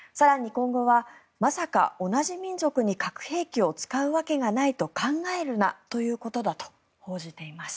今後は、まさか同じ民族に核兵器を使うわけがないと考えるなということだと報じています。